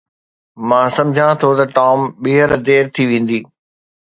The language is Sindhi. مان سمجهان ٿو ته ٽام ٻيهر دير ٿي ويندي